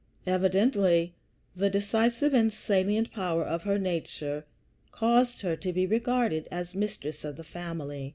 Evidently the decisive and salient power of her nature caused her to be regarded as mistress of the family.